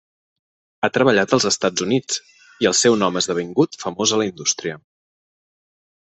Ha treballat als Estats Units i el seu nom ha esdevingut famós a la indústria.